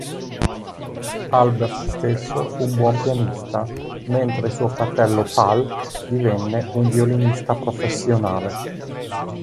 Albert stesso fu un buon pianista, mentre suo fratello Pál divenne un violinista professionale.